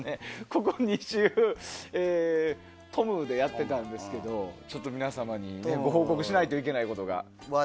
ここ２週トムでやってたんですけどちょっと皆様にご報告しないといけないことが。